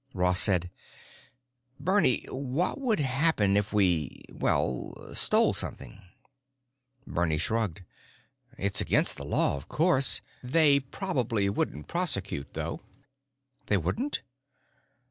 Ross said, "Bernie, what would happen if we, well, stole something?" Bernie shrugged. "It's against the law, of course. They probably wouldn't prosecute, though." "They wouldn't?"